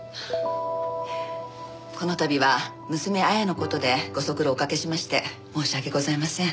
この度は娘亜矢の事でご足労おかけしまして申し訳ございません。